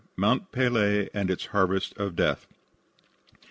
Mount Pelee and its Harvest of Death.